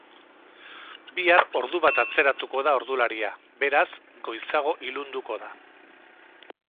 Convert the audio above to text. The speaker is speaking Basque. Bihar ordu bat atzeratuko da ordularia, beraz, goizago ilunduko da.